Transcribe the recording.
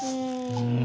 うん。